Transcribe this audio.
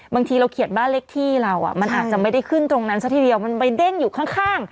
บางทีเราเขียนบ้านเลขที่เรามันอาจจะไม่ได้ขึ้นตรงนั้นซะทีเดียวมันไปเด้งอยู่ข้าง